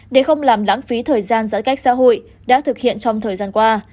để không làm lãng phí thời gian giãn cách xã hội đã thực hiện trong thời gian qua